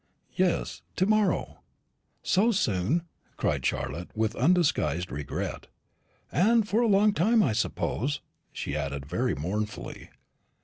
"Yes, to morrow." "So soon!" cried Charlotte, with undisguised regret; "and for a long time, I suppose?" she added, very mournfully.